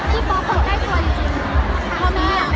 พี่ฟ้าน้ำขวางให้สวยจริง